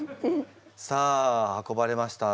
さあ運ばれました。